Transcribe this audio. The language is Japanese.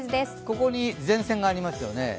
ここに前線がありますよね。